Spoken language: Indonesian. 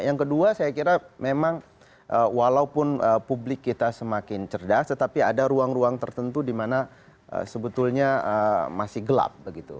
yang kedua saya kira memang walaupun publik kita semakin cerdas tetapi ada ruang ruang tertentu di mana sebetulnya masih gelap begitu